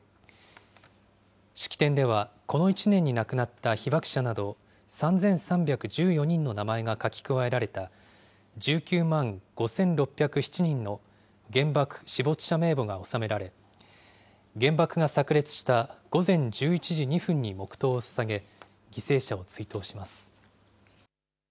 式典では、この１年に亡くなった被爆者など３３１４人の名前が書き加えられた、１９万５６０７人の原爆死没者名簿が納められ、原爆がさく裂した午前１１時２分に黙とうをささげ、犠牲者を追悼します。